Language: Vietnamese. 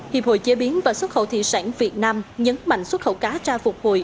hiệp hội chế biến và xuất khẩu thị sản việt nam nhấn mạnh xuất khẩu cá tra phục hồi